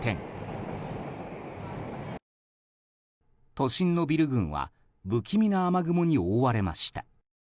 都心のビル群は不気味な雨雲に覆われました。